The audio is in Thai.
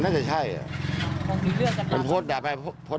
มันน่าจะใช่มันโพสต์๕๕๐